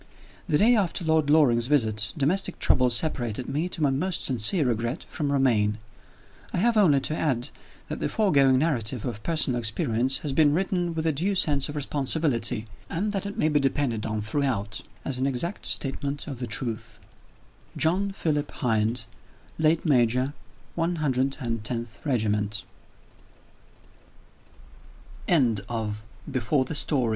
The day after Lord Loring's visit, domestic troubles separated me, to my most sincere regret, from Romayne. I have only to add, that the foregoing narrative of personal experience has been written with a due sense of responsibility, and that it may be depended on throughout as an exact statement of the truth. JOHN PHILIP HYND, (late Major, 110th Regiment). THE STORY. BOOK THE FIRST. CHAPTER I.